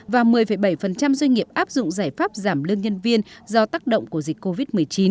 và một mươi bảy doanh nghiệp áp dụng giải pháp giảm lương nhân viên do tác động của dịch covid một mươi chín